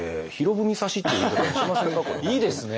いいですね